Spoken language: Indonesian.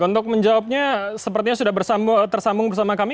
untuk menjawabnya sepertinya sudah tersambung bersama kami